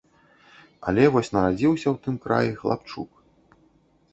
Але вось нарадзіўся ў тым краі хлапчук.